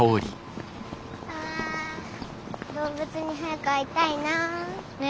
あ動物に早く会いたいなあ。ね。